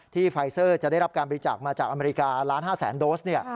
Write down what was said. ไฟเซอร์จะได้รับการบริจาคมาจากอเมริกาล้าน๕แสนโดส